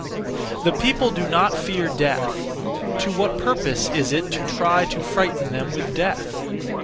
The people do not fear death; to what purpose is it to (try to) frighten them with death?